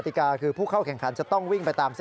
แต่คุณเป็นห่วงเขาใช่ไหม